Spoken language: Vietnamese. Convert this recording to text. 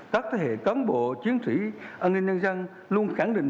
các thế hệ cán bộ chiến sĩ an ninh nhân dân luôn khẳng định